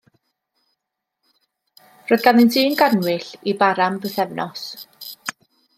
Roedd ganddynt un gannwyll, i bara am bythefnos.